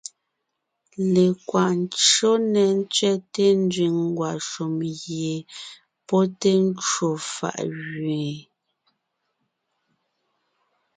Lekwaʼ ncÿó nɛ́ tsẅɛ́te nzẅìŋ ngwàshùm gie pɔ́ té ncwò fàʼ gẅeen,